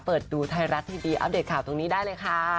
เปิดดูไทยรัฐทีวีอัปเดตข่าวตรงนี้ได้เลยค่ะ